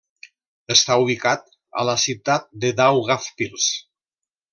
Està ubicat a la ciutat de Daugavpils.